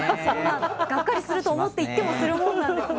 ガッカリすると思って行ってもするものなんですね。